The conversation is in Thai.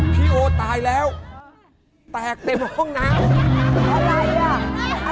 พี่โอตายแล้วแตกเต็มห้องน้ำเพราะอะไรอ่ะ